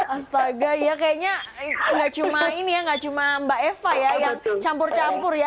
astaga ya kayaknya nggak cuma mbak eva ya yang campur campur ya